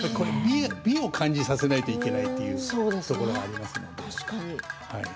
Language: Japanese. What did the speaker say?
美を感じさせないといけないというところがありますので。